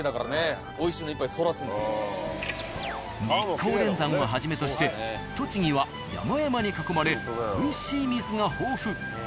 日光連山をはじめとして栃木は山々に囲まれ美味しい水が豊富。